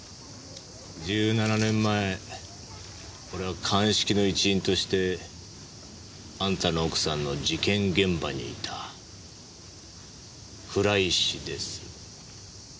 １７年前俺は鑑識の一員としてあんたの奥さんの事件現場にいた倉石です。